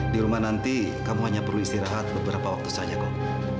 di rumah nanti kamu hanya perlu istirahat beberapa waktu saja kok